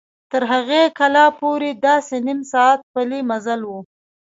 تر هغې کلا پورې داسې نیم ساعت پلي مزل و.